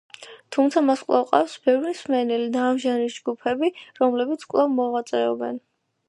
თუმცა, მას კვლავ ჰყავს ბევრი მსმენელი და ამ ჟანრის ჯგუფები, რომლებიც კვლავ მოღვაწეობენ.